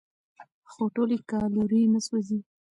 خو ټولې کالورۍ نه سوځېږي.